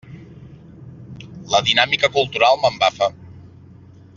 La dinàmica cultural m'embafa.